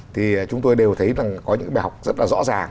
thì chúng tôi đều thấy rằng có những bài học rất là rõ ràng